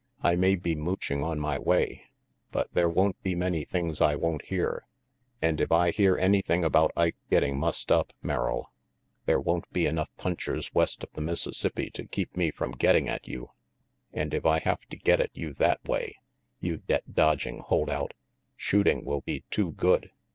I may be mooching on my way, but there won't be many things I won't hear, and if I hear anything about Ike getting mussed up, Merrill, there won't be enough punchers west of the Mississippi to keep me from getting at you; and if I have to get at you that way, you debt dodging hold out, shooting will be too good.